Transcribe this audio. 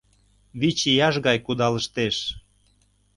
Вич ияш гай кудалыштеш.